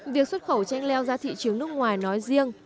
việc xuất khẩu chanh leo ra thị trường nước ngoài nói riêng